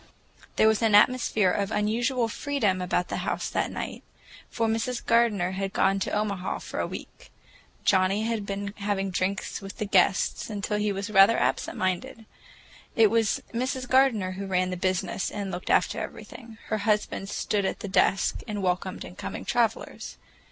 There was an atmosphere of unusual freedom about the house that night, for Mrs. Gardener had gone to Omaha for a week. Johnnie had been having drinks with the guests until he was rather absent minded. It was Mrs. Gardener who ran the business and looked after everything. Her husband stood at the desk and welcomed incoming travelers.